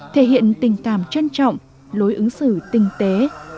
thể hiện tình cảm trân trọng lối ứng sự thân thiện